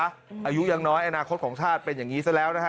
อายุยังน้อยอนาคตของชาติเป็นอย่างนี้ซะแล้วนะฮะ